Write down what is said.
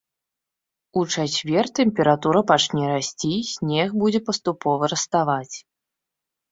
У чацвер тэмпература пачне расці, снег будзе паступова раставаць.